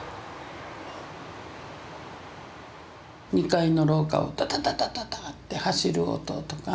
２階の廊下をダダダダダダって走る音とか。